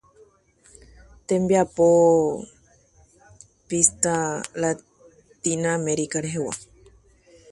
Project Runway Latin America